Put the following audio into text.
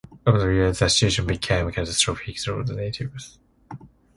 Over the years, the situation became catastrophic for the natives.